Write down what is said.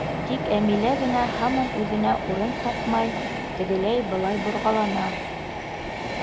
Тик Әмилә генә һаман үҙенә урын тапмай, тегеләй-былай борғалана.